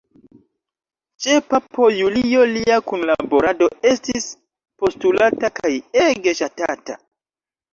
Ĉe papo Julio lia kunlaborado estis postulata kaj ege ŝatata.